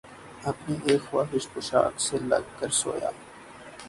اپنی اِک خواہشِ پوشاک سے لگ کر سویا